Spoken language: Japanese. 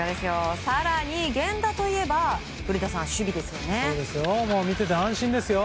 更に、源田といえば古田さん、守備ですよね。